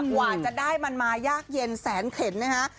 กว่าจะได้มันมายากเย็นแสนเข็นนะฮะ